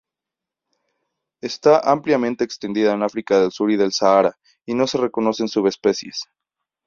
Está ampliamente extendida en África al sur del Sahara y no se reconocen subespecies.